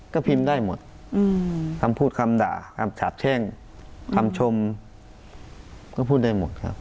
ก็พิมพ์ได้หมดคำพูดคำด่าคำสาบแช่งคำชมก็พูดได้หมดครับ